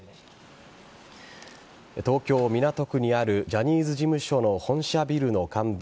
東京・港区にあるジャニーズ事務所の本社ビルの看板